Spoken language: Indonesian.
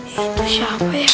itu siapa ya